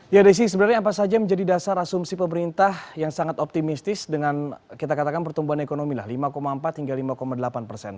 ya desi sebenarnya apa saja yang menjadi dasar asumsi pemerintah yang sangat optimistis dengan kita katakan pertumbuhan ekonomi lah lima empat hingga lima delapan persen